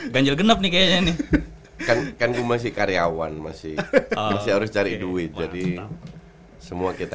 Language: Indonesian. ganjil genap nih kayaknya nih kan kan gue masih karyawan masih masih harus cari duit jadi semua kita